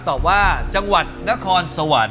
ตอบว่าจังหวัดนครสวรรค์